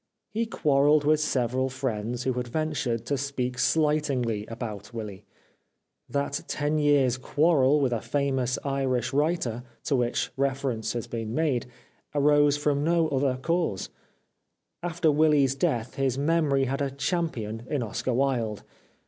He quarrelled with several friends who had ventured 375 The Life of Oscar Wilde to speak slightingly about Willy : that ten years* quarrel with a famous Irish writer, to which re ference has been made, arose from no other cause. After Willy's death his memory had a champion in Oscar Wilde.